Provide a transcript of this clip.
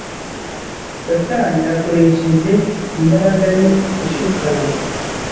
Satani akoresheje imbaraga ye ishukana,